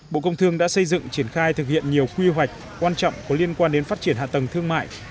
bộ công thương đã xây dựng triển khai thực hiện nhiều quy hoạch quan trọng có liên quan đến phát triển hạ tầng thương mại